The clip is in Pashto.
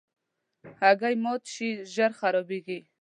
هګۍ مات شي، ژر خرابیږي.